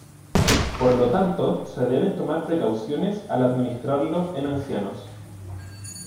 Por lo tanto, se deben tomar precauciones al administrarlo en ancianos.